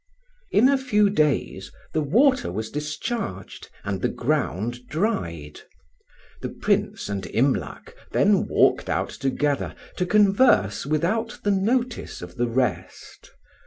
In a few days the water was discharged, and the ground dried. The Prince and Imlac then walked out together, to converse without the notice of the rest.